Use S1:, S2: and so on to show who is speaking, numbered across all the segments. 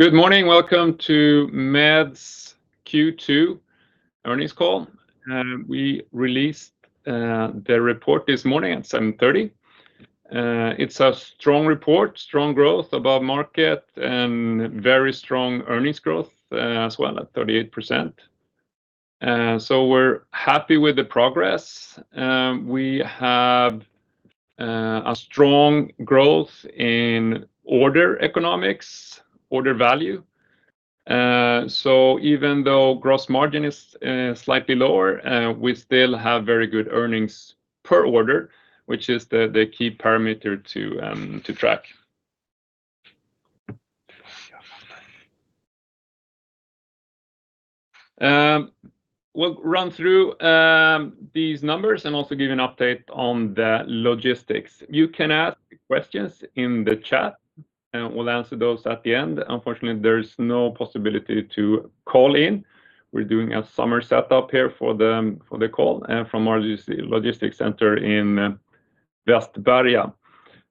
S1: Good morning. Welcome to MEDS Q2 earnings call. We released the report this morning at 7:30 A.M. It's a strong report, strong growth above market, and very strong earnings growth as well at [18%]. We're happy with the progress. We have a strong growth in order economics, order value. Even though gross margin is slightly lower, we still have very good earnings per order, which is the key parameter to track. We'll run through these numbers and also give you an update on the logistics. You can ask questions in the chat, and we'll answer those at the end. Unfortunately, there is no possibility to call in. We're doing a summer setup here for the call from our logistics center in Västberga.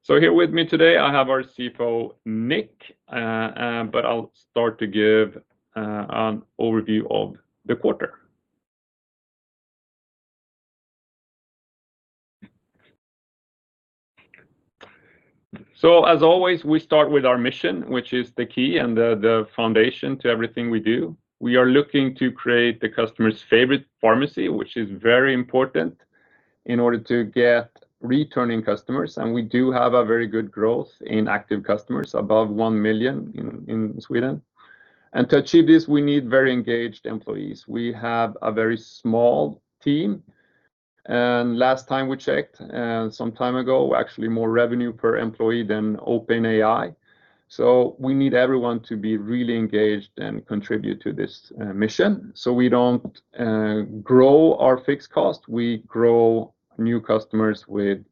S1: Here with me today, I have our CFO, Nick, but I'll start to give an overview of the quarter. As always, we start with our mission, which is the key and the foundation to everything we do. We are looking to create the customer's favorite pharmacy, which is very important in order to get returning customers, and we do have a very good growth in active customers, above 1 million in Sweden. To achieve this, we need very engaged employees. We have a very small team, and last time we checked, some time ago, actually more revenue per employee than OpenAI. We need everyone to be really engaged and contribute to this mission so we don't grow our fixed cost, we grow new customers with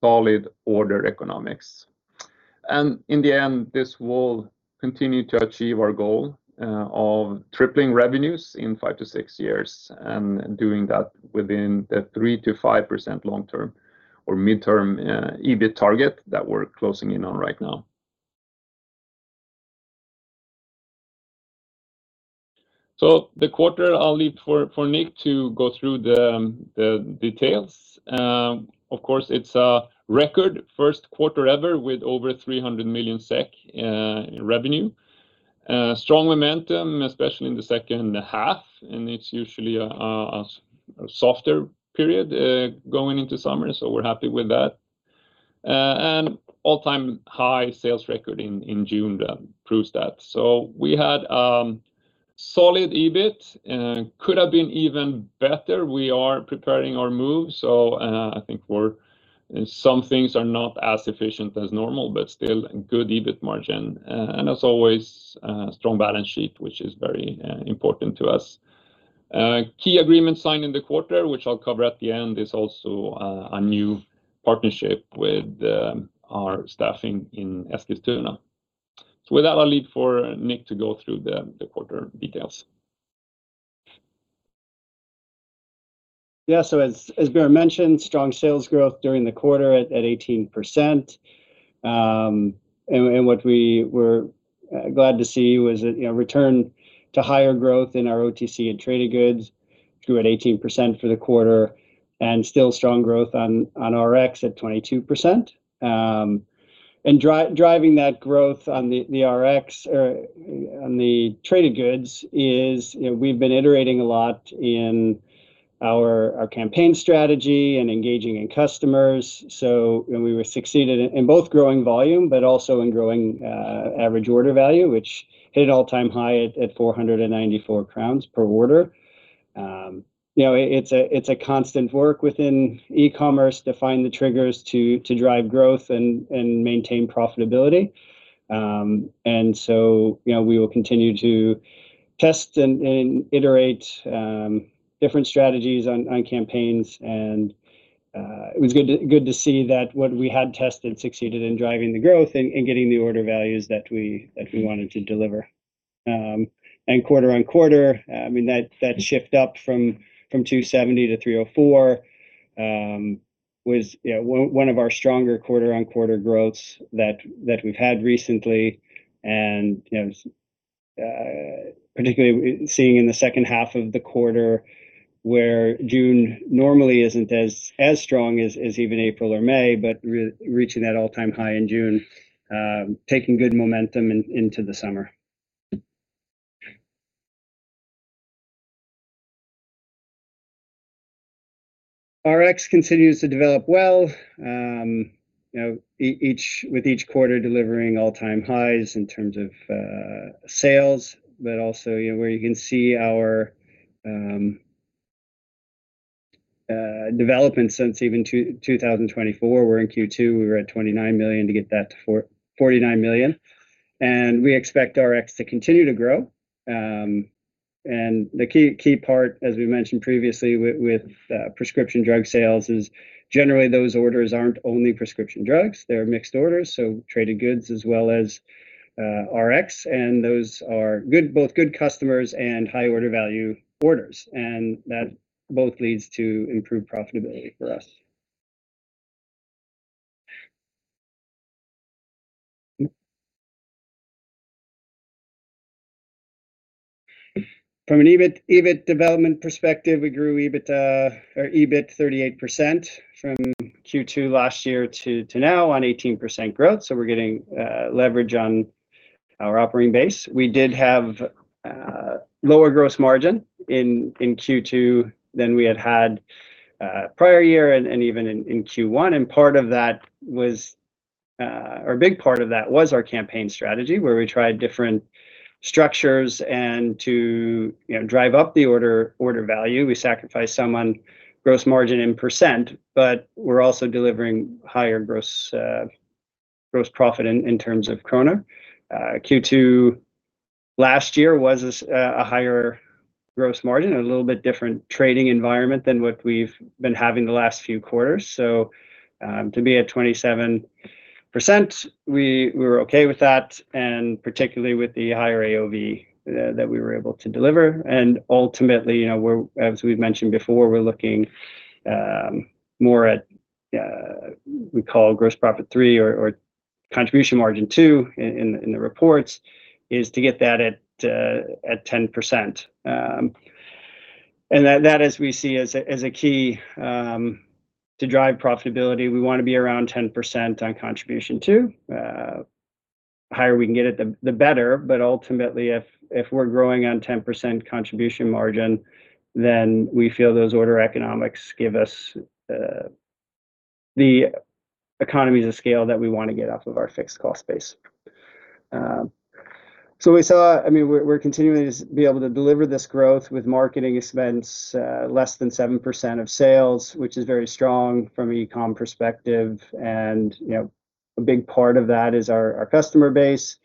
S1: solid order economics. In the end, this will continue to achieve our goal of tripling revenues in five to six years and doing that within the 3%-5% long-term or mid-term EBIT target that we're closing in on right now. The quarter, I'll leave for Nick to go through the details. Of course, it's a record first quarter ever with over 300 million SEK revenue. Strong momentum, especially in the second half, and it's usually a softer period going into summer, so we're happy with that. All-time high sales record in June proves that. We had solid EBIT. Could have been even better. We are preparing our move, so I think some things are not as efficient as normal, but still good EBIT margin. As always, strong balance sheet, which is very important to us. Key agreement signed in the quarter, which I'll cover at the end, is also a new partnership with our staffing in Eskilstuna. With that, I'll leave for Nick to go through the quarter details.
S2: Yeah. As Björn mentioned, strong sales growth during the quarter at 18%. What we were glad to see was a return to higher growth in our OTC and traded goods, grew at 18% for the quarter, and still strong growth on RX at 22%. Driving that growth on the traded goods is we've been iterating a lot in our campaign strategy and engaging in customers. We succeeded in both growing volume, but also in growing average order value, which hit an all-time high at 494 crowns per order. It's a constant work within e-commerce to find the triggers to drive growth and maintain profitability. We will continue to test and iterate different strategies on campaigns. It was good to see that what we had tested succeeded in driving the growth and getting the order values that we wanted to deliver. Quarter-on-quarter, that shift up from 270 [million] to 304 [million] was one of our stronger quarter-on-quarter growths that we've had recently, particularly seeing in the second half of the quarter where June normally isn't as strong as even April or May, but reaching that all-time high in June, taking good momentum into the summer. RX continues to develop well, with each quarter delivering all-time highs in terms of sales, but also where you can see our development since even 2024. We're in Q2, we were at 29 million to get that to 49 million, and we expect RX to continue to grow. The key part, as we mentioned previously with prescription drug sales, is generally those orders aren't only prescription drugs, they're mixed orders, traded goods as well as RX, and those are both good customers and high order value orders, and that both leads to improved profitability for us. From an EBIT development perspective, we grew EBIT 38% from Q2 last year to now on 18% growth. We're getting leverage on our operating base. We did have lower gross margin in Q2 than we had prior year and even in Q1, and a big part of that was our campaign strategy, where we tried different structures and to drive up the order value. We sacrificed some on gross margin in percent, but we're also delivering higher gross profit in terms of krona. Q2 last year was a higher gross margin, a little bit different trading environment than what we've been having the last few quarters. To be at 27%, we were okay with that, particularly with the higher AOV that we were able to deliver. Ultimately, as we've mentioned before, we're looking more at, we call gross profit three or contribution margin II in the reports, is to get that at 10%. That as we see as a key to drive profitability. We want to be around 10% on contribution II. The higher we can get it, the better. Ultimately, if we're growing on 10% contribution margin, then we feel those order economics give us the economies of scale that we want to get off of our fixed cost base. We're continuing to be able to deliver this growth with marketing expense less than 7% of sales, which is very strong from an e-com perspective. A big part of that is our customer base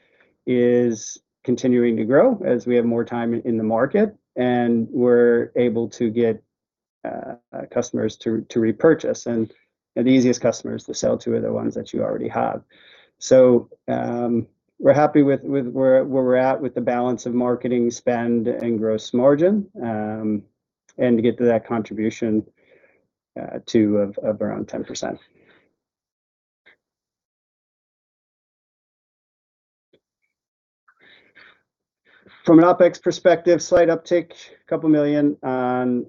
S2: is continuing to grow as we have more time in the market, and we're able to get customers to repurchase. The easiest customers to sell to are the ones that you already have. We're happy with where we're at with the balance of marketing spend and gross margin, and to get to that contribution II of around 10%. From an OpEx perspective, slight uptick, couple million on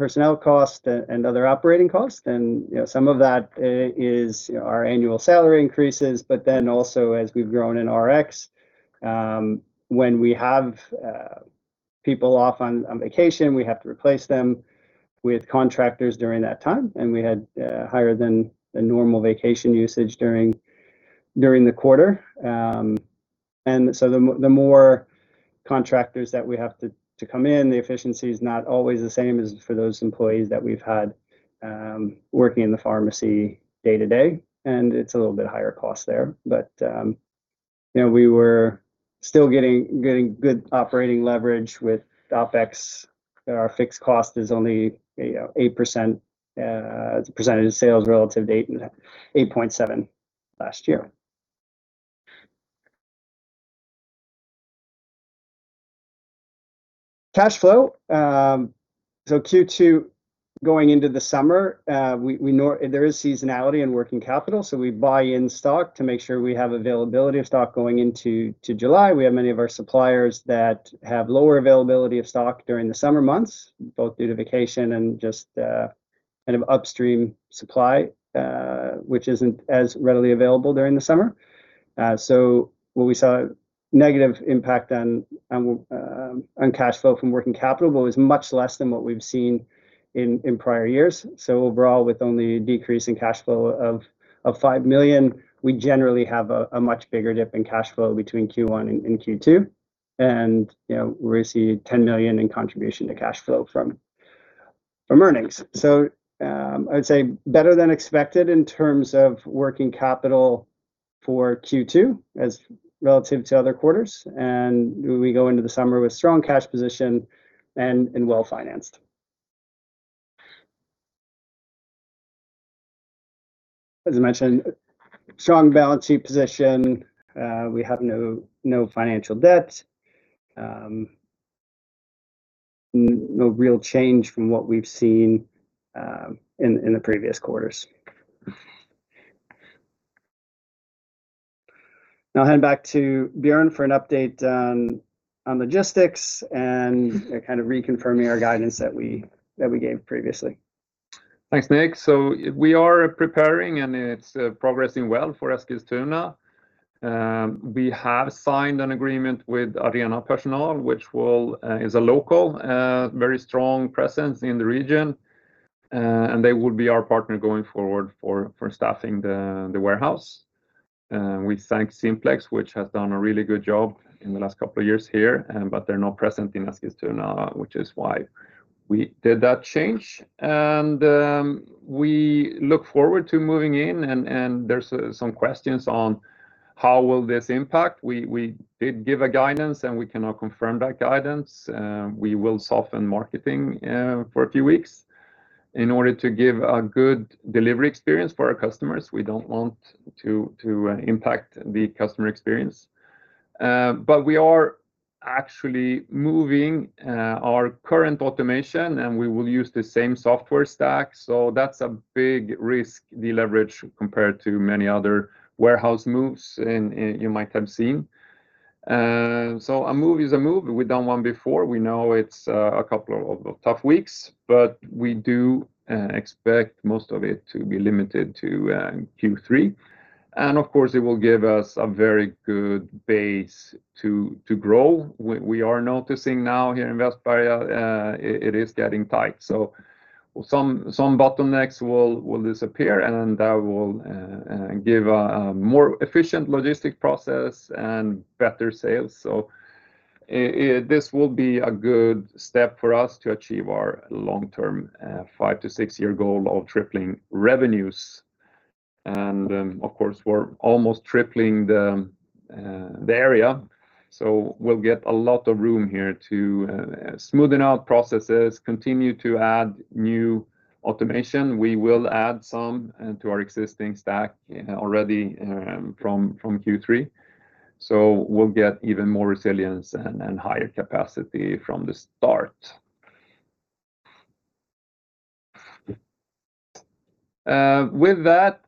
S2: personnel cost and other operating cost. Some of that is our annual salary increases. Also as we've grown in RX, when we have people off on vacation, we have to replace them with contractors during that time. We had higher than the normal vacation usage during the quarter. The more contractors that we have to come in, the efficiency is not always the same as for those employees that we've had working in the pharmacy day to day, and it's a little bit higher cost there. We were still getting good operating leverage with OpEx. Our fixed cost is only 8% as a percentage of sales relative to 8.7% last year. Cash flow. Q2, going into the summer, there is seasonality in working capital. We buy in stock to make sure we have availability of stock going into July. We have many of our suppliers that have lower availability of stock during the summer months, both due to vacation and just upstream supply, which isn't as readily available during the summer. What we saw negative impact on cash flow from working capital, it was much less than what we've seen in prior years. Overall, with only decrease in cash flow of 5 million, we generally have a much bigger dip in cash flow between Q1 and Q2. We're going to see 10 million in contribution to cash flow from earnings. I would say better than expected in terms of working capital for Q2 as relative to other quarters. We go into the summer with strong cash position and well-financed. As I mentioned, strong balance sheet position. We have no financial debt. No real change from what we've seen in the previous quarters. I'll hand back to Björn for an update on logistics and reconfirming our guidance that we gave previously.
S1: Thanks, Nick. We are preparing, and it's progressing well for Eskilstuna. We have signed an agreement with Arena Personal, which is a local, very strong presence in the region. They will be our partner going forward for staffing the warehouse. We thank Simplex, which has done a really good job in the last couple of years here, but they're not present in Eskilstuna, which is why we did that change. We look forward to moving in, and there's some questions on how will this impact. We did give a guidance, and we can now confirm that guidance. We will soften marketing for a few weeks in order to give a good delivery experience for our customers. We don't want to impact the customer experience. We are actually moving our current automation and we will use the same software stack. That's a big risk de-leverage compared to many other warehouse moves you might have seen. A move is a move. We've done one before. We know it's a couple of tough weeks, but we do expect most of it to be limited to Q3. Of course, it will give us a very good base to grow. We are noticing now here in Västberga, it is getting tight. Some bottlenecks will disappear, and that will give a more efficient logistic process and better sales. This will be a good step for us to achieve our long-term, five to six-year goal of tripling revenues. Of course, we're almost tripling the area, so we'll get a lot of room here to smoothen out processes, continue to add new automation. We will add some to our existing stack already from Q3. We'll get even more resilience and higher capacity from the start. With that,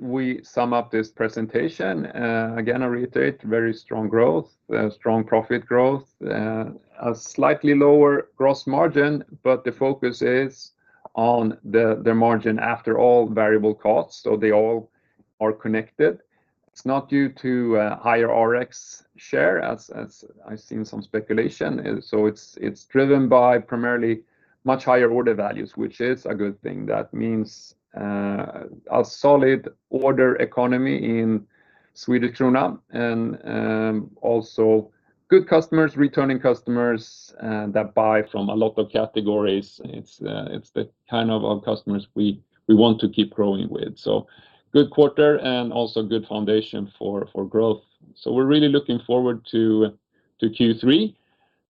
S1: we sum up this presentation. Again, I reiterate, very strong growth, strong profit growth, and a slightly lower gross margin, but the focus is on the margin after all variable costs. They all are connected. It's not due to higher RX share as I've seen some speculation. It's driven by primarily much higher order values, which is a good thing. That means a solid order economy in Swedish krona and also good customers, returning customers that buy from a lot of categories. It's the kind of customers we want to keep growing with. Good quarter and also good foundation for growth. We're really looking forward to Q3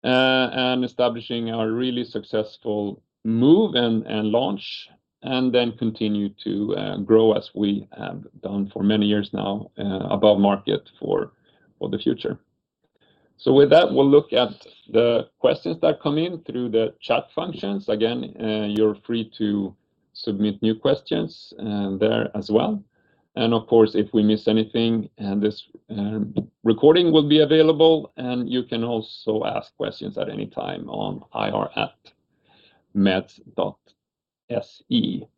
S1: and establishing our really successful move and launch, and then continue to grow as we have done for many years now, above market for the future. With that, we'll look at the questions that come in through the chat functions. Again, you're free to submit new questions there as well. Of course, if we miss anything, this recording will be available, and you can also ask questions at any time on ir@meds.se.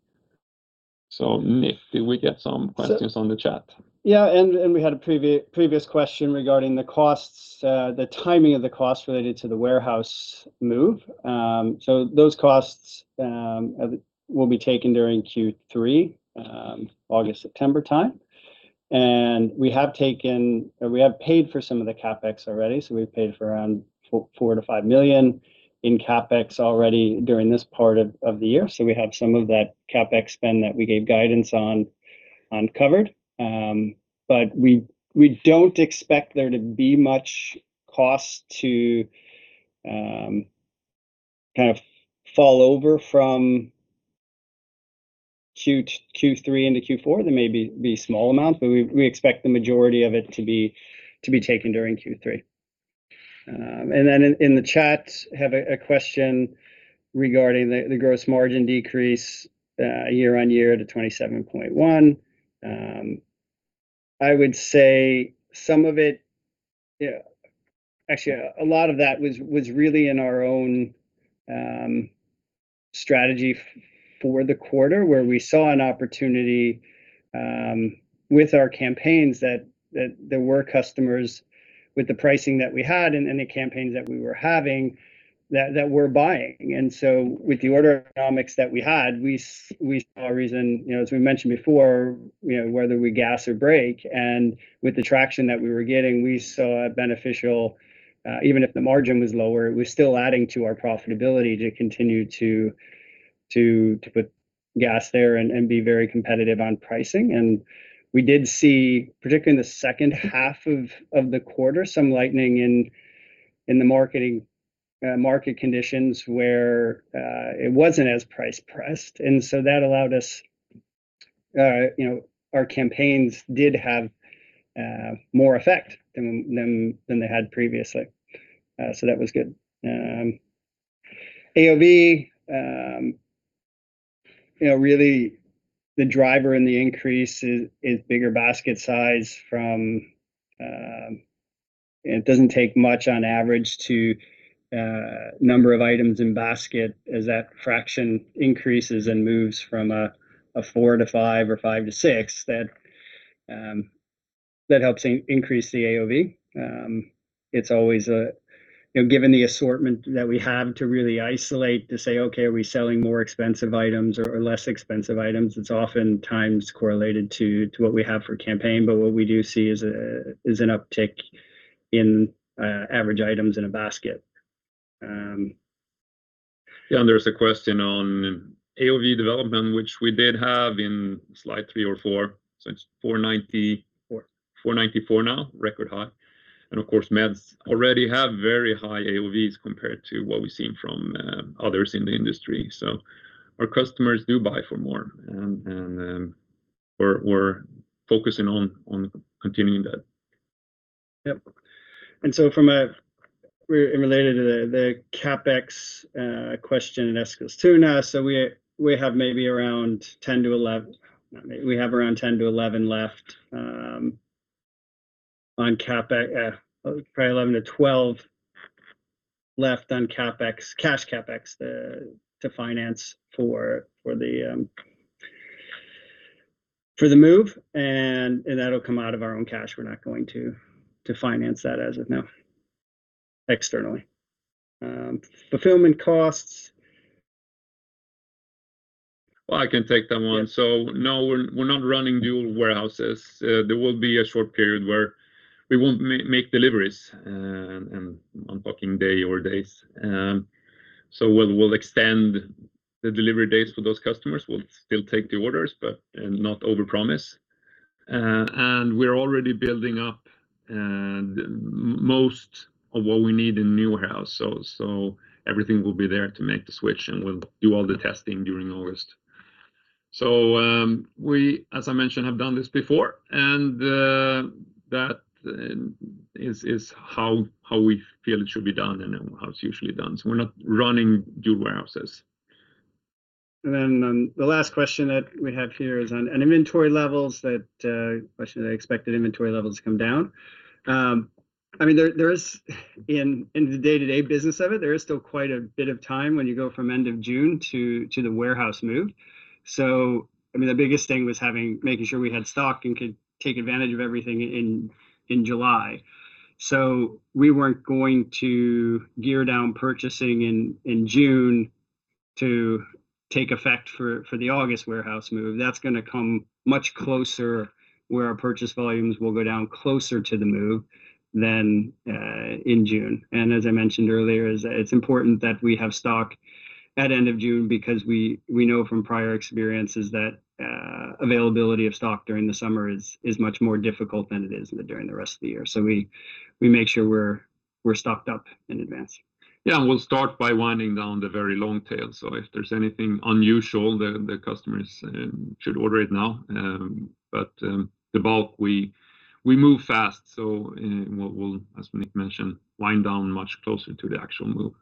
S1: Nick, did we get some questions on the chat?
S2: Yeah, we had a previous question regarding the timing of the costs related to the warehouse move. Those costs will be taken during Q3, August-September time. We have paid for some of the CapEx already. We've paid for around 4 million-5 million in CapEx already during this part of the year. We have some of that CapEx spend that we gave guidance on uncovered. We don't expect there to be much cost to kind of fall over from Q3 into Q4. There may be small amounts. We expect the majority of it to be taken during Q3. Then in the chat, have a question regarding the gross margin decrease year-on-year to 27.1%. I would say actually, a lot of that was really in our own strategy for the quarter where we saw an opportunity with our campaigns that there were customers with the pricing that we had and the campaigns that we were having that were buying. With the order economics that we had, we saw a reason, as we mentioned before, whether we gas or brake and with the traction that we were getting, we saw a beneficial, even if the margin was lower, it was still adding to our profitability to continue to put gas there and be very competitive on pricing. We did see, particularly in the second half of the quarter, some lightning in the market conditions where it wasn't as price-pressed. That allowed us, our campaigns did have more effect than they had previously. That was good. AOV, really the driver and the increase is bigger basket size from. It doesn't take much on average to number of items in basket as that fraction increases and moves from a four to five or five to six, that helps increase the AOV. Given the assortment that we have to really isolate to say, okay, are we selling more expensive items or less expensive items? It's oftentimes correlated to what we have for campaign. What we do see is an uptick in average items in a basket.
S1: Yeah, there's a question on AOV development which we did have in slide three or four. It's 494 now, record high. Of course, MEDS already have very high AOVs compared to what we've seen from others in the industry. Our customers do buy for more. We're focusing on continuing that.
S2: Yep. Related to the CapEx question in Eskilstuna, we have around 10-11 left, probably 11-12 left on cash CapEx to finance for the move, and that'll come out of our own cash. We're not going to finance that as of now externally. Fulfillment costs.
S1: Well, I can take that one.
S2: Yeah.
S1: No, we're not running dual warehouses. There will be a short period where we won't make deliveries on packing day or days. We'll extend the delivery dates for those customers. We'll still take the orders, but not overpromise. We're already building up most of what we need in the new warehouse. Everything will be there to make the switch, and we'll do all the testing during August. We, as I mentioned, have done this before, and that is how we feel it should be done and how it's usually done. We're not running dual warehouses.
S2: The last question that we have here is on inventory levels, that question of the expected inventory levels come down. In the day-to-day business of it, there is still quite a bit of time when you go from end of June to the warehouse move. The biggest thing was making sure we had stock and could take advantage of everything in July. We weren't going to gear down purchasing in June to take effect for the August warehouse move. That's going to come much closer, where our purchase volumes will go down closer to the move than in June. As I mentioned earlier, it's important that we have stock at end of June because we know from prior experiences that availability of stock during the summer is much more difficult than it is during the rest of the year. We make sure we're stocked up in advance.
S1: Yeah. We'll start by winding down the very long tail. If there's anything unusual, the customers should order it now. The bulk, we move fast, we'll, as Nick mentioned, wind down much closer to the actual move.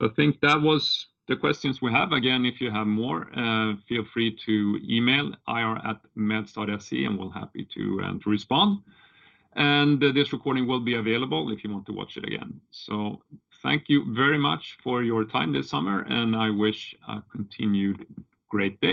S1: I think that was the questions we have. Again, if you have more, feel free to email ir@meds.se and we'll happy to respond. This recording will be available if you want to watch it again. Thank you very much for your time this summer, and I wish a continued great day